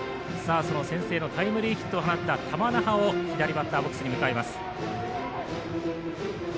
その先制のタイムリーヒットを放った玉那覇を左バッターボックスに迎えます。